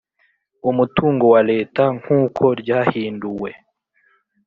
umutungo bya Leta nk uko ryahinduwe